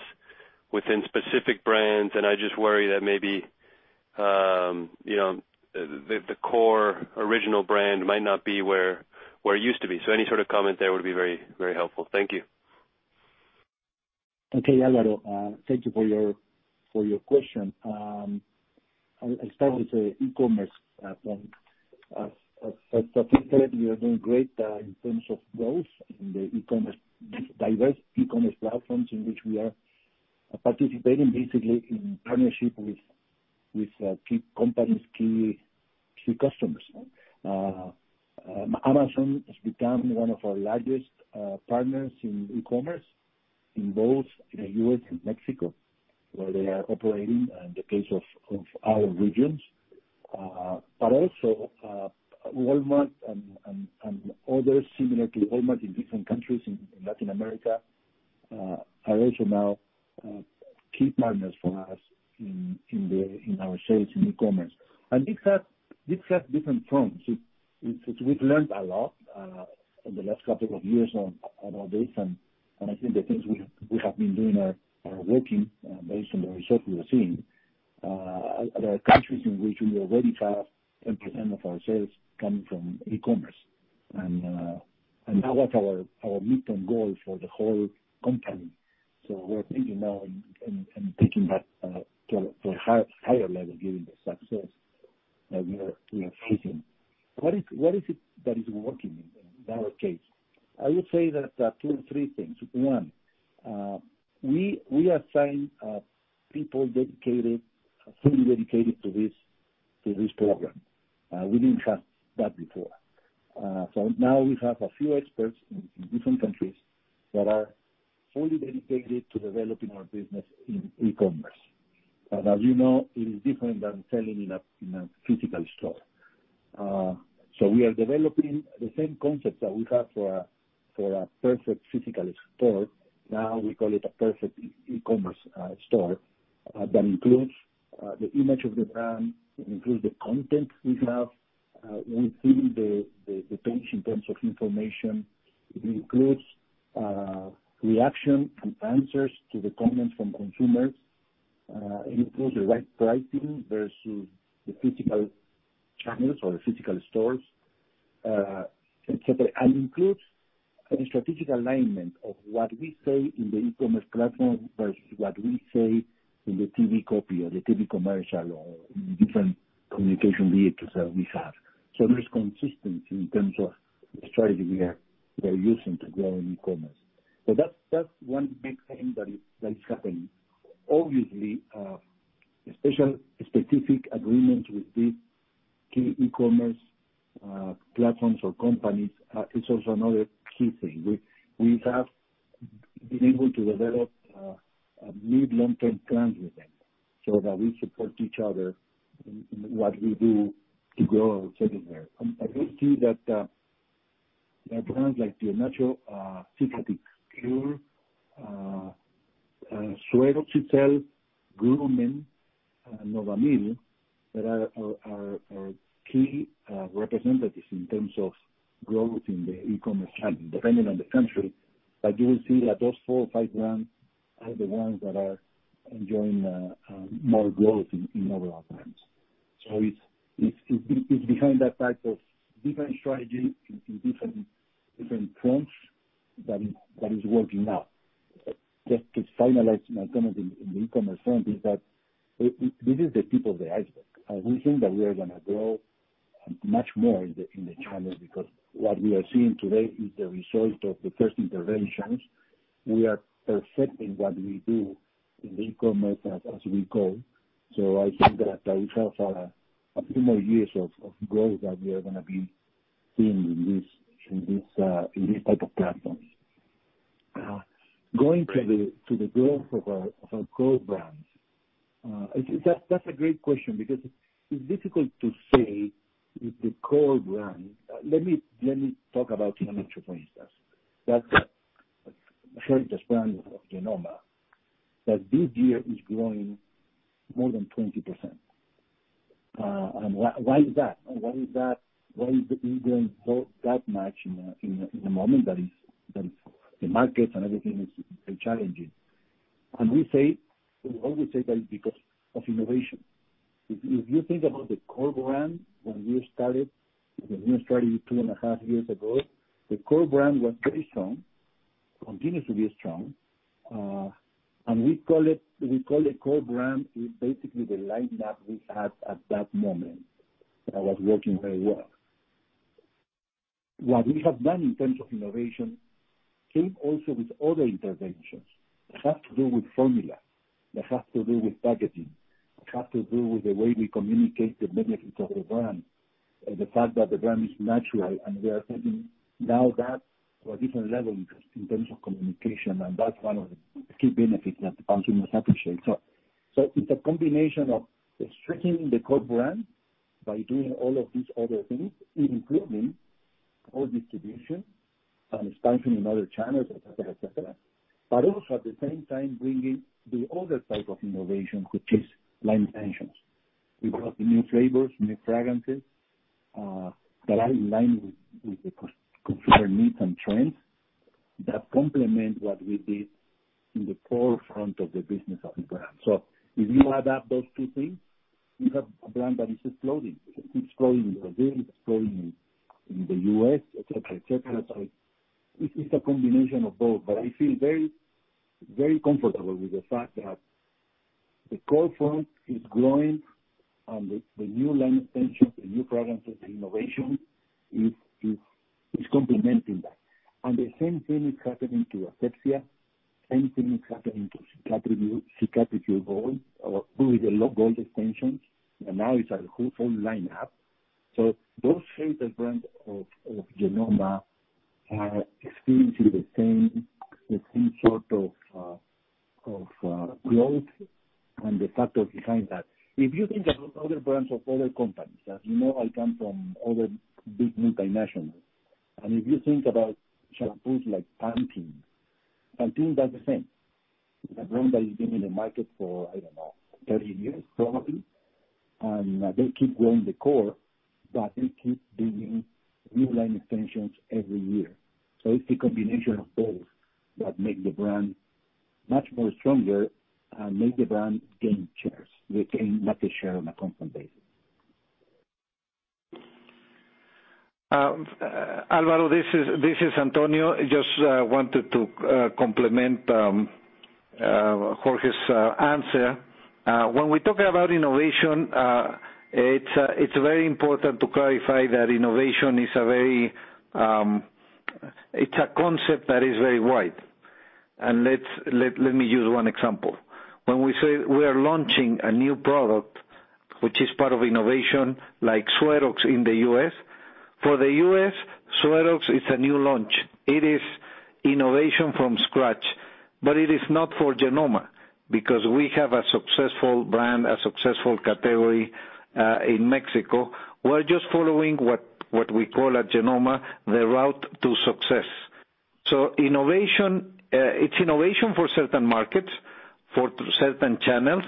within specific brands, and I just worry that maybe the core original brand might not be where it used to be. Any sort of comment there would be very helpful. Thank you. Okay, Alvaro, thank you for your question. I'll start with the e-commerce front. As of Q3, we are doing great in terms of growth in the diverse e-commerce platforms in which we are participating, basically in partnership with key companies, key customers. Amazon has become one of our largest partners in e-commerce in both the U.S. and Mexico, where they are operating in the case of other regions. Also Walmart and others similar to Walmart in different countries in Latin America are also now key partners for us in our sales in e-commerce. This has different fronts. We've learned a lot in the last couple of years about this, and I think the things we have been doing are working based on the results we are seeing. There are countries in which we already have 10% of our sales coming from e-commerce. That was our midterm goal for the whole company. We are thinking now and taking that to a higher level, given the success that we are facing. What is it that is working in our case? I would say that there are two or three things. One, we assign people dedicated, fully dedicated to this program. We didn't have that before. Now we have a few experts in different countries that are fully dedicated to developing our business in e-commerce. As you know, it is different than selling in a physical store. We are developing the same concepts that we have for a perfect physical store, now we call it a perfect e-commerce store, that includes the image of the brand, it includes the content we have, it includes the depth in terms of information. It includes reaction and answers to the comments from consumers. It includes the right pricing versus the physical channels or the physical stores, et cetera. Includes a strategic alignment of what we say in the e-commerce platform versus what we say in the TV copy or the TV commercial or different communication vehicles that we have. There's consistency in terms of the strategy we are using to grow in e-commerce. That's one big thing that is happening. Obviously, special specific agreements with the key e-commerce platforms or companies, it's also another key thing. We have been able to develop a good long-term plans with them so that we support each other in what we do to grow our category. We see that brands like Teatrical, Cicatricure, Suerox, Groomen, Novamil, that are our key representatives in terms of growth in the e-commerce channel, depending on the country. You will see that those four or five brands are the ones that are enjoying more growth in overall terms. It's behind that type of different strategy in different fronts that is working now. Just to finalize in terms of in the e-commerce front, is that this is the tip of the iceberg. We think that we are going to grow much more in the channel because what we are seeing today is the result of the first interventions. We are perfecting what we do in the e-commerce as we go. I think that we have a few more years of growth that we are going to be seeing in these type of platforms. Going to the growth of our core brands. That's a great question because it's difficult to say. Let me talk about Cicatricure, for instance. That's a flagship brand of Genomma, that this year is growing more than 20%. Why is that? Why is it growing that much in a moment that the markets and everything is challenging? We always say that is because of innovation. If you think about the core brand, when we started two and a half years ago, the core brand was very strong, continues to be strong. We call it core brand is basically the lineup we had at that moment, that was working very well. What we have done in terms of innovation came also with other interventions that have to do with formula, that have to do with packaging, that have to do with the way we communicate the benefits of the brand, and the fact that the brand is natural, and we are taking now that to a different level in terms of communication, and that is one of the key benefits that the consumers appreciate. It is a combination of strengthening the core brand by doing all of these other things, including core distribution and expansion in other channels, et cetera. Also at the same time bringing the other type of innovation, which is line extensions. We brought new flavors, new fragrances, that are in line with the consumer needs and trends that complement what we did in the core front of the business of the brand. If you add up those two things, you have a brand that is exploding. It keeps growing in Brazil, it's growing in the U.S., et cetera. It's a combination of both, but I feel very comfortable with the fact that the core front is growing and the new line extensions, the new fragrances, the innovation is complementing that. The same thing is happening to Asepxia, same thing is happening to Cicatricure Gold, who is a low gold extensions, and now it's a whole lineup. Those flagship brands of Genomma are experiencing the same sort of growth and the factors behind that. If you think about other brands of other companies, as you know, I come from other big multinationals, and if you think about shampoos like Pantene does the same. It's a brand that has been in the market for, I don't know, 30 years probably, and they keep growing the core, but they keep bringing new line extensions every year. It's the combination of both that make the brand much more stronger and make the brand gain shares, retain market share on a constant basis. Alvaro, this is Antonio. Just wanted to complement Jorge's answer. When we talk about innovation, it's very important to clarify that innovation, it's a concept that is very wide. Let me use one example. When we say we are launching a new product, which is part of innovation like Suerox in the U.S. For the U.S., Suerox is a new launch. It is innovation from scratch, but it is not for Genomma because we have a successful brand, a successful category in Mexico. We're just following what we call at Genomma, the route to success. It's innovation for certain markets, for certain channels.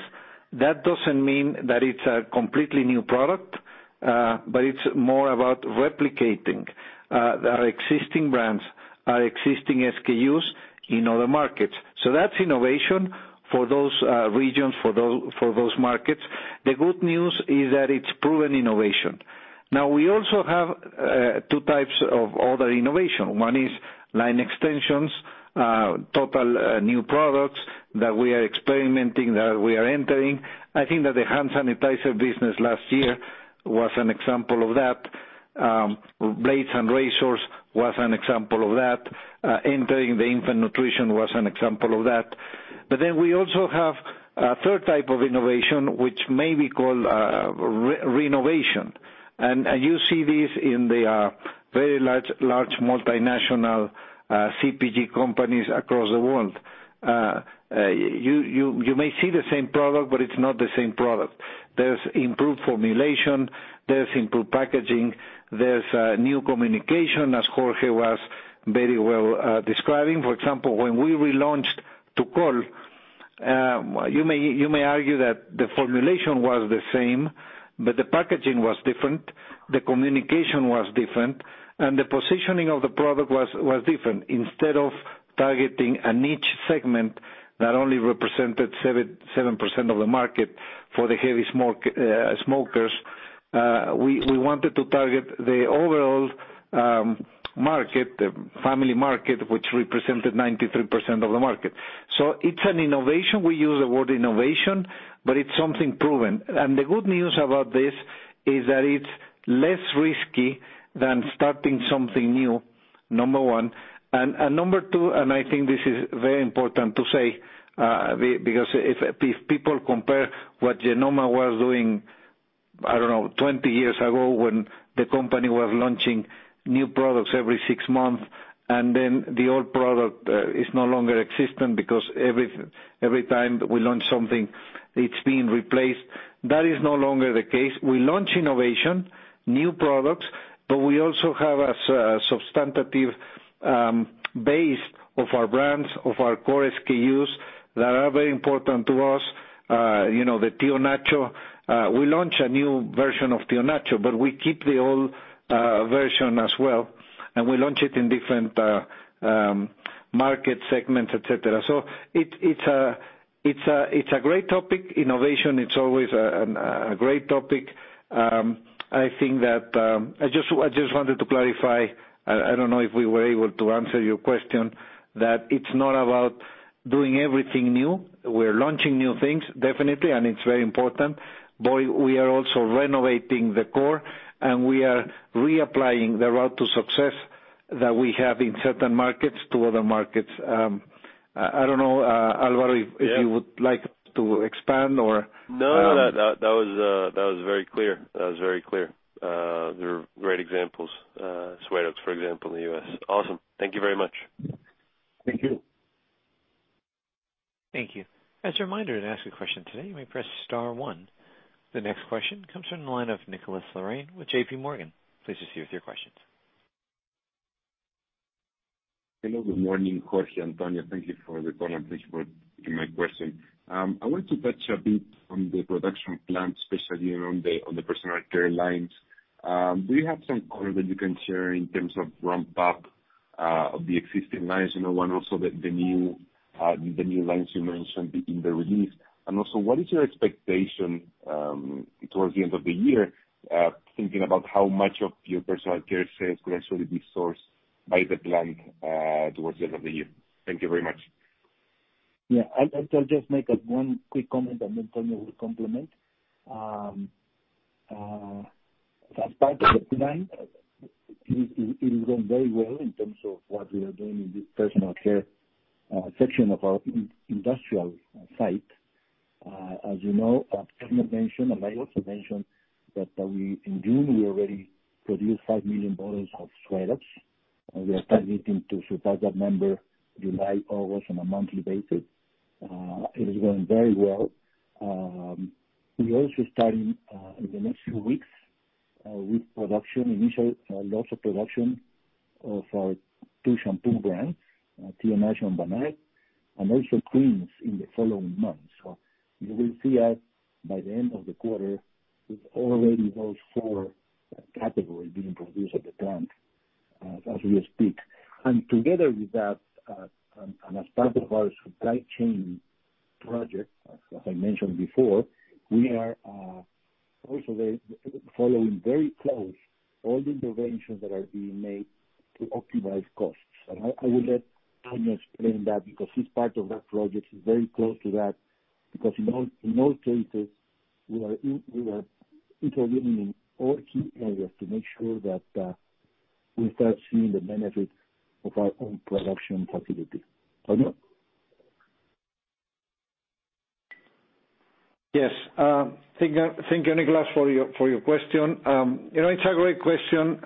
That doesn't mean that it's a completely new product, but it's more about replicating our existing brands, our existing SKUs in other markets. That's innovation for those regions, for those markets. The good news is that it's proven innovation. We also have two types of other innovation. One is line extensions, total new products that we are experimenting, that we are entering. I think that the hand sanitizer business last year was an example of that. Blades and razors was an example of that. Entering the infant nutrition was an example of that. We also have a 3rd type of innovation, which may be called renovation. You see this in the very large multinational CPG companies across the world. You may see the same product, but it's not the same product. There's improved formulation, there's improved packaging, there's new communication, as Jorge was very well describing. For example, when we relaunched Tukol, you may argue that the formulation was the same, but the packaging was different, the communication was different, and the positioning of the product was different. Instead of targeting a niche segment that only represented 7% of the market for the heavy smokers, we wanted to target the overall market, the family market, which represented 93% of the market. It's an innovation. We use the word innovation, but it's something proven. The good news about this is that it's less risky than starting something new, number one. Number two, and I think this is very important to say, because if people compare what Genomma was doing, I don't know, 20 years ago when the company was launching new products every six months, and then the old product is no longer existent because every time we launch something, it's being replaced. That is no longer the case. We launch innovation, new products, but we also have a substantive base of our brands, of our core SKUs that are very important to us. The Tío Nacho, we launch a new version of Tío Nacho, but we keep the old version as well, and we launch it in different market segments, et cetera. It's a great topic. Innovation, it's always a great topic. I just wanted to clarify, I don't know if we were able to answer your question, that it's not about doing everything new. We're launching new things, definitely, and it's very important. We are also renovating the core, and we are reapplying the route to success that we have in certain markets to other markets. I don't know, Alvaro. Yeah. if you would like to expand. No. That was very clear. They are great examples. Suerox, for example, in the U.S. Awesome. Thank you very much. Thank you. Thank you. As a reminder, to ask a question today, you may press star one. The next question comes from the line of Nicolas Larrain with JPMorgan. Please proceed with your questions. Hello, good morning, Jorge, Antonio. Thank you for the call and thanks for taking my question. I want to touch a bit on the production plan, especially around the personal care lines. Do you have some color that you can share in terms of ramp-up of the existing lines, and also the new lines you mentioned in the release? Also, what is your expectation towards the end of the year, thinking about how much of your personal care sales could actually be sourced by the plant towards the end of the year? Thank you very much. Yeah. I'll just make one quick comment and then Antonio will complement. As part of the plan, it is going very well in terms of what we are doing in this personal care section of our industrial site. As you know, Antonio mentioned, and I also mentioned that in June, we already produced 5 million bottles of Suerox, and we are targeting to surpass that number July, August on a monthly basis. It is going very well. We also starting in the next few weeks with production, initial lots of production of our two shampoo brands, Tío Nacho and Vanart, and also creams in the following months. You will see us by the end of the quarter with already those four categories being produced at the plant as we speak. Together with that, as part of our supply chain project, as I mentioned before, we are also following very close all the interventions that are being made to optimize costs. I will let Antonio explain that because he is part of that project, he is very close to that, because in all cases, we are intervening in all key areas to make sure that we start seeing the benefit of our own production facility. Antonio? Yes. Thank you, Nicolas, for your question. It is a great question,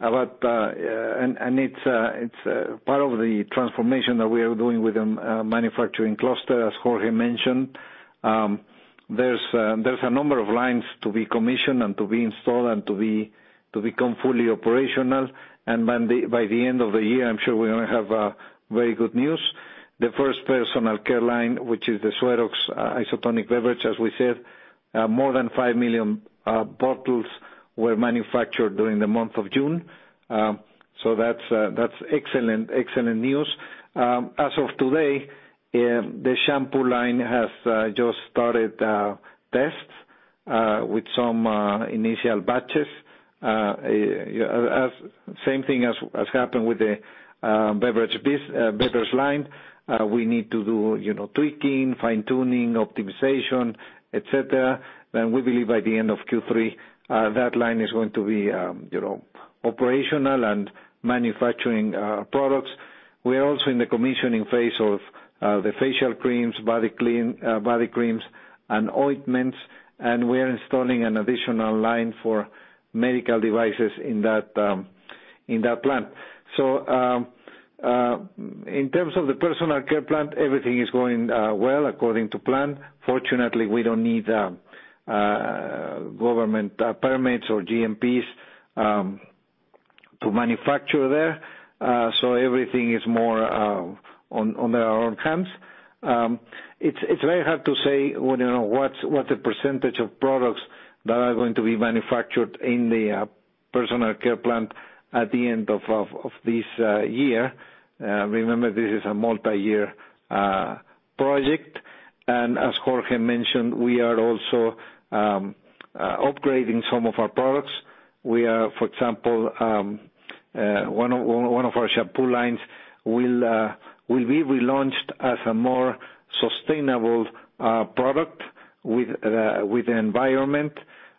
and it is part of the transformation that we are doing with the manufacturing cluster, as Jorge mentioned. There is a number of lines to be commissioned and to be installed and to become fully operational. By the end of the year, I am sure we are going to have very good news. The first personal care line, which is the Suerox isotonic beverage, as we said, more than 5 million bottles were manufactured during the month of June. That's excellent news. As of today, the shampoo line has just started tests with some initial batches. Same thing as happened with the beverage line. We need to do tweaking, fine-tuning, optimization, et cetera. We believe by the end of Q3, that line is going to be operational and manufacturing products. We are also in the commissioning phase of the facial creams, body creams, and ointments, and we are installing an additional line for medical devices in that plant. In terms of the personal care plant, everything is going well according to plan. Fortunately, we don't need government permits or GMPs to manufacture there. Everything is more on our own terms. It's very hard to say what the % of products that are going to be manufactured in the personal care plant at the end of this year. Remember, this is a multi-year project. As Jorge mentioned, we are also upgrading some of our products. For example, one of our shampoo lines will be relaunched as a more sustainable product with the environment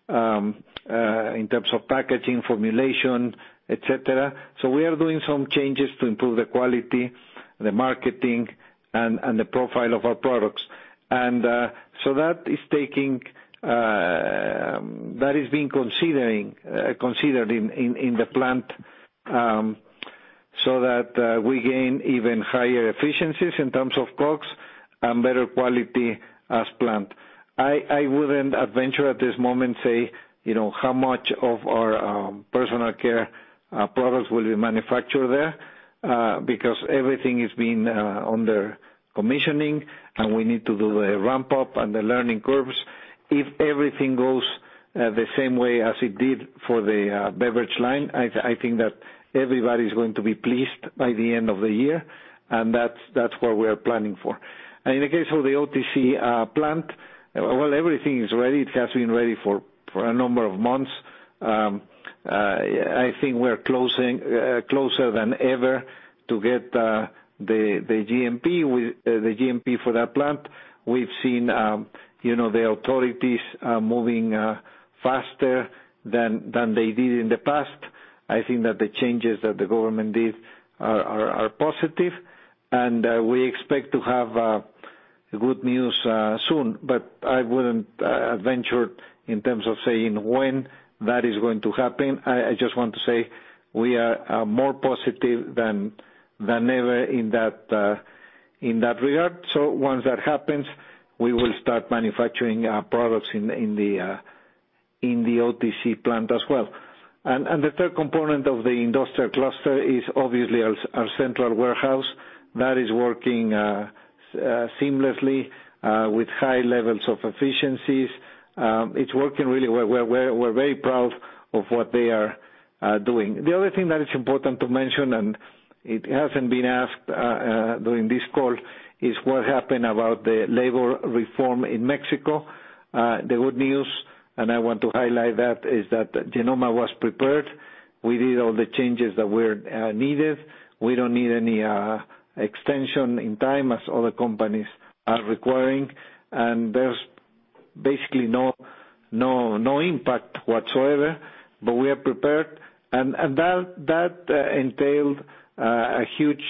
in terms of packaging, formulation, et cetera. We are doing some changes to improve the quality, the marketing, and the profile of our products. That is being considered in the plant, so that we gain even higher efficiencies in terms of COGS and better quality as planned. I wouldn't venture at this moment say how much of our personal care products will be manufactured there, because everything is being under commissioning, and we need to do a ramp-up and the learning curves. If everything goes the same way as it did for the beverage line, I think that everybody's going to be pleased by the end of the year, that's what we are planning for. In the case of the OTC plant, well, everything is ready. It has been ready for a number of months. I think we're closer than ever to get the GMP for that plant. We've seen the authorities moving faster than they did in the past. I think that the changes that the government did are positive, and we expect to have good news soon, but I wouldn't venture in terms of saying when that is going to happen. I just want to say we are more positive than ever in that regard. Once that happens, we will start manufacturing products in the OTC plant as well. The third component of the industrial cluster is obviously our central warehouse that is working seamlessly, with high levels of efficiencies. It's working really well. We're very proud of what they are doing. The other thing that is important to mention, and it hasn't been asked during this call, is what happened about the labor reform in Mexico. The good news, and I want to highlight that, is that Genomma was prepared. We did all the changes that were needed. We don't need any extension in time as other companies are requiring. There's basically no impact whatsoever, but we are prepared, and that entailed a huge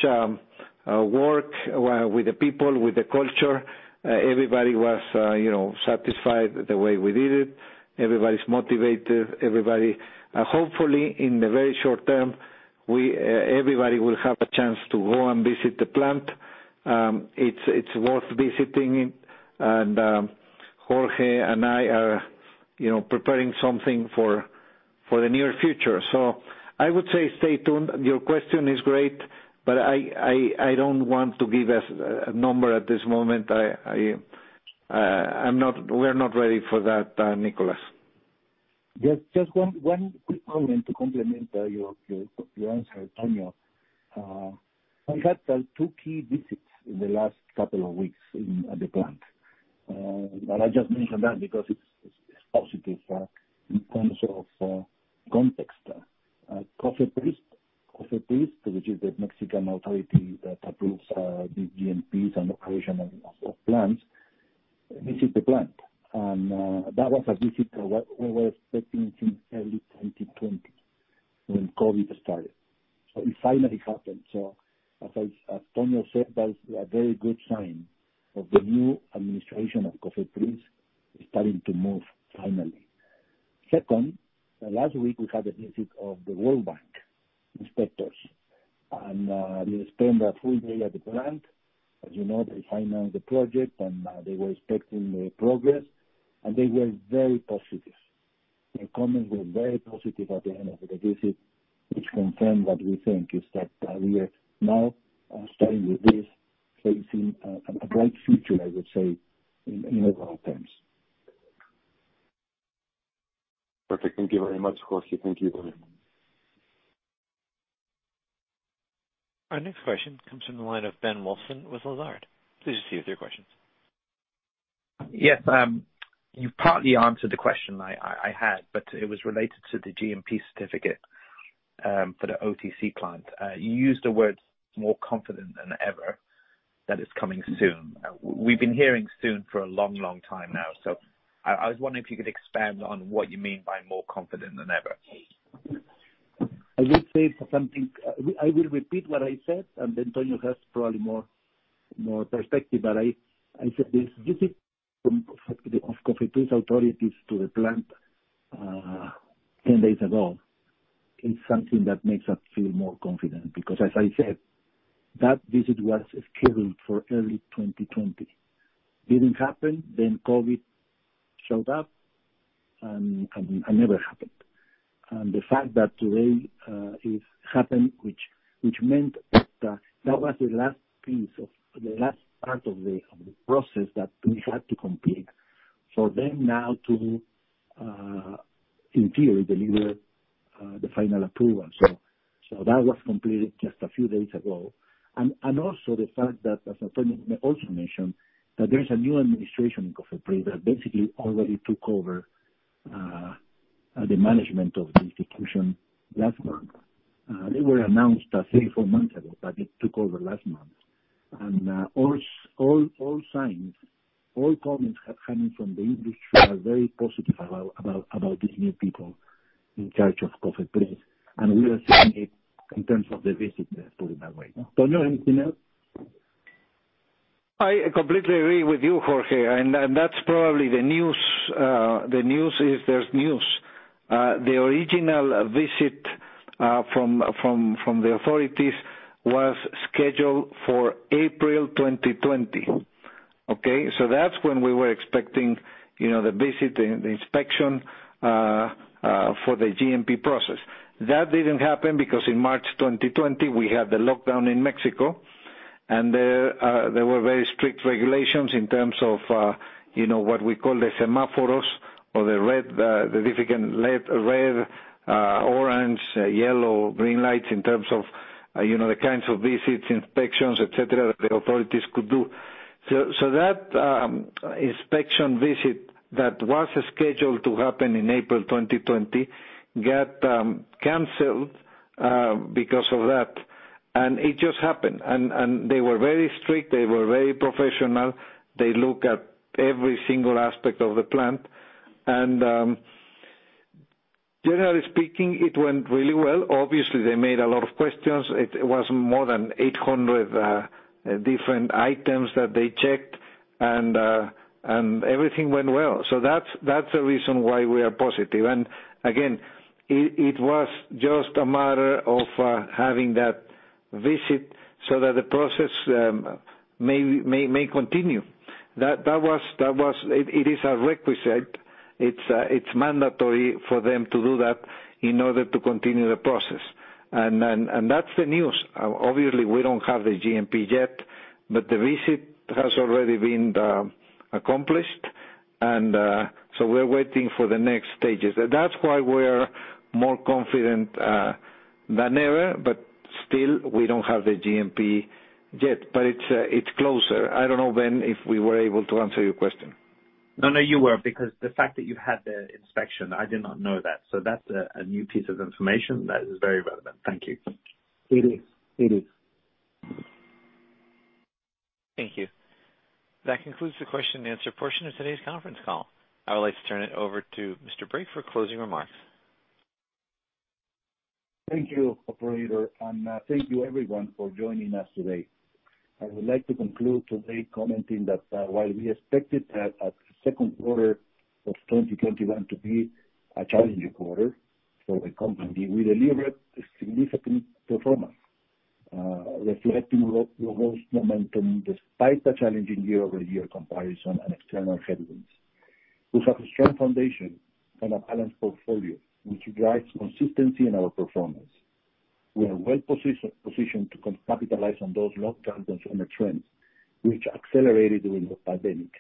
work with the people, with the culture. Everybody was satisfied the way we did it. Everybody's motivated. Hopefully, in the very short term, everybody will have a chance to go and visit the plant. It's worth visiting. Jorge and I are preparing something for the near future. I would say stay tuned. Your question is great. I don't want to give a number at this moment. We're not ready for that, Nicolas. Just one quick comment to complement your answer, Antonio. We had 2 key visits in the last couple of weeks at the plant. I just mention that because it's positive in terms of context. Cofepris, which is the Mexican authority that approves the GMPs and operation of plants. That was a visit that we were expecting since early 2020 when COVID started. It finally happened. As Tonio said, that is a very good sign of the new administration of Cofepris starting to move finally. Second, last week we had a visit of the World Bank inspectors, and they spent a full day at the plant. As you know, they finance the project, and they were expecting progress, and they were very positive. Their comments were very positive at the end of the visit, which confirmed what we think, is that we are now starting with this, facing a bright future, I would say, in overall terms. Perfect. Thank you very much, Jorge. Thank you. Our next question comes from the line of Ben Wilson with Lazard. Please proceed with your questions. Yes. You partly answered the question I had, but it was related to the GMP certificate for the OTC client. You used the words more confident than ever that it's coming soon. We've been hearing soon for a long, long time now. I was wondering if you could expand on what you mean by more confident than ever? I will repeat what I said, and then Tonio has probably more perspective. I said this visit from Cofepris authorities to the plant 10 days ago is something that makes us feel more confident because, as I said, that visit was scheduled for early 2020. Didn't happen, then COVID showed up, and it never happened. The fact that today it happened, which meant that was the last piece of the last part of the process that we had to complete for them now to, in theory, deliver the final approval. That was completed just a few days ago. Also the fact that, as Tonio also mentioned, that there's a new administration in Cofepris that basically already took over the management of the execution last month. They were announced three, four months ago, but they took over last month. All signs, all comments coming from the industry are very positive about these new people in charge of Cofepris, and we are seeing it in terms of the visit, put it that way. Tonio, anything else? I completely agree with you, Jorge. That's probably the news. The news is there's news. The original visit from the authorities was scheduled for April 2020. Okay? That's when we were expecting the visit, the inspection for the GMP process. That didn't happen because in March 2020, we had the lockdown in Mexico, and there were very strict regulations in terms of what we call the semáforos, or the significant red, orange, yellow, green lights in terms of the kinds of visits, inspections, et cetera, that the authorities could do. That inspection visit that was scheduled to happen in April 2020 got canceled because of that. It just happened. They were very strict. They were very professional. They looked at every single aspect of the plant. Generally speaking, it went really well. Obviously, they made a lot of questions. It was more than 800 different items that they checked. Everything went well. That's the reason why we are positive. Again, it was just a matter of having that visit so that the process may continue. It is a requisite. It's mandatory for them to do that in order to continue the process. That's the news. Obviously, we don't have the GMP yet, but the visit has already been accomplished, so we're waiting for the next stages. That's why we're more confident than ever. Still, we don't have the GMP yet, but it's closer. I don't know, Ben, if we were able to answer your question. No, no, you were, because the fact that you had the inspection, I did not know that. That's a new piece of information that is very relevant. Thank you. It is. It is. Thank you. That concludes the question and answer portion of today's conference call. I would like to turn it over to Mr. Brake for closing remarks. Thank you, operator, and thank you everyone for joining us today. I would like to conclude today commenting that while we expected the Q2 of 2021 to be a challenging quarter for the company, we delivered a significant performance reflecting robust momentum despite a challenging year-over-year comparison and external headwinds. We have a strong foundation and a balanced portfolio which drives consistency in our performance. We are well-positioned to capitalize on those long-term consumer trends which accelerated during the pandemic,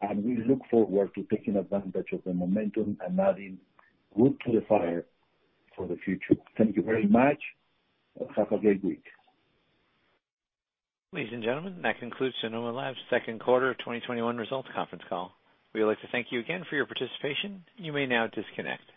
and we look forward to taking advantage of the momentum and adding wood to the fire for the future. Thank you very much, and have a great week. Ladies and gentlemen, that concludes Genomma Lab's Q2 2021 results conference call. We would like to thank you again for your participation. You may now disconnect.